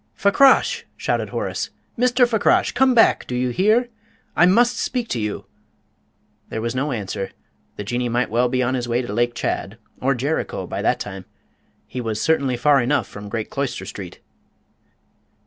"Fakrash!" shouted Horace, "Mr. Fakrash! Come back! Do you hear? I must speak to you!" There was no answer; the Jinnee might be well on his way to Lake Chad, or Jericho, by that time he was certainly far enough from Great Cloister Street.